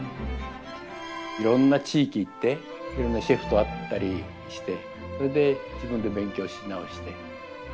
いろんな地域行っていろんなシェフと会ったりしてそれで自分で勉強し直して。